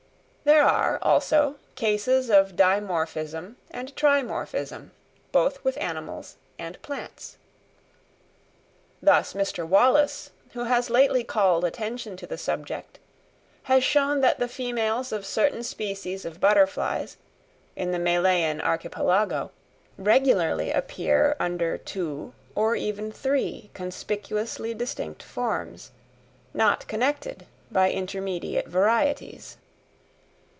There are, also, cases of dimorphism and trimorphism, both with animals and plants. Thus, Mr. Wallace, who has lately called attention to the subject, has shown that the females of certain species of butterflies, in the Malayan Archipelago, regularly appear under two or even three conspicuously distinct forms, not connected by intermediate varieties.